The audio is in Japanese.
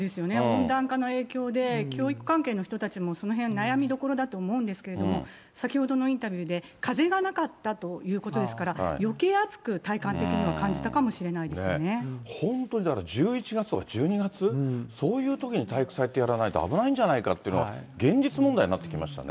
温暖化の影響で、教育関係の人たちもそのへん悩みどころだと思うんですけれども、先ほどのインタビューで、風がなかったということですから、よけい暑く、体感的には感じたか本当にだから１１月とか、１２月、そういうときに体育祭ってやらないと危ないんじゃないかっていうのは、現実問題になってきましたね。